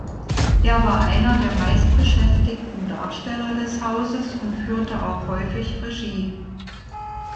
Er war einer der meistbeschäftigten Darsteller des Hauses und führte auch häufig Regie.